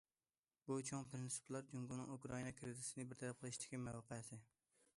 بۇ چوڭ پىرىنسىپلار جۇڭگونىڭ ئۇكرائىنا كىرىزىسىنى بىر تەرەپ قىلىشتىكى مەۋقەسى.